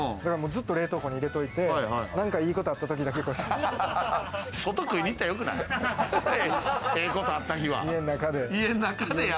ずっと冷凍庫に入れといて、何かいいことあったときだけ食べ